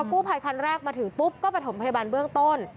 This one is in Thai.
กู้ภัยคันแรกมาถึงปุ๊บก็ประถมพยาบาลเบื้องต้น